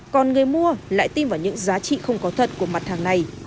còn người mua lại tin vào những giá trị không có thật của mặt hàng này